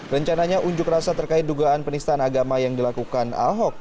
rencananya unjuk rasa terkait dugaan penistaan agama yang dilakukan ahok